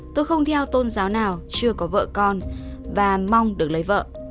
tôi không theo tôn giáo nào chưa có vợ con và mong được lấy vợ